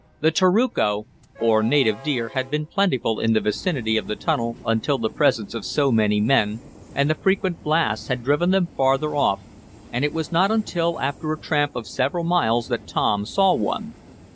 The taruco, or native deer, had been plentiful in the vicinity of the tunnel until the presence of so many men and the frequent blasts had driven them farther off, and it was not until after a tramp of several miles that Tom saw one.